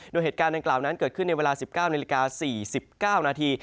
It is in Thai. โดยเหตุการณ์ดังกล่าวนั้นเกิดขึ้นในเวลา๑๙นาฬิกา๔๙นาที